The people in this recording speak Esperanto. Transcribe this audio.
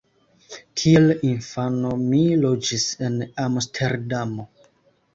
Kiel infano mi loĝis en Amsterdamo.